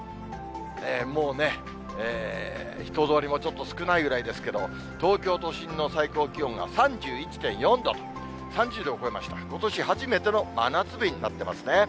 もうね、人通りもちょっと少ないぐらいですけれどもね、東京都心の最高気温が３１．４度、３０度を超えまして、ことし初めての真夏日になっていますね。